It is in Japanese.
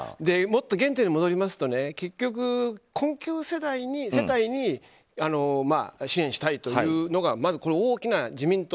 原点に戻りますと結局、困窮世帯に支援したいというのがまず、大きな自民党